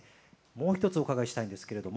もう一つお伺いしたいんですけれども。